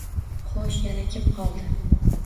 Xo`sh, yana kim qoldi